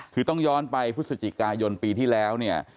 คือต้องย้อนไปพฤศจิกายนปีที่แล้วเนี่ย